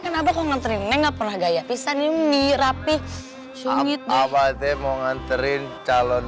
kenapa kau nganterin nggak pernah gaya pisah nih rapi rapi mau nganterin calon